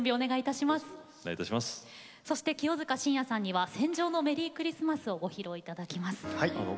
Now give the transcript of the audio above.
清塚信也さんには「戦場のメリークリスマス」をご披露いただきます。